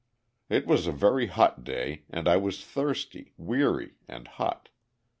It was a very hot day, and I was thirsty, weary, and hot.